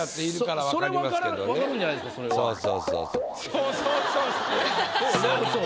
「そうそうそうそう」。